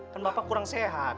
kan bapak kurang sehat